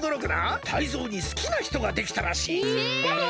タイゾウにすきなひとができたらしい。え！？だれ！？